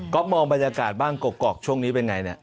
มองบรรยากาศบ้างกกอกช่วงนี้เป็นไงเนี่ย